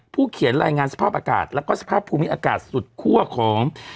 เขียนรายงานสภาพอากาศแล้วก็สภาพภูมิอากาศสุดคั่วของ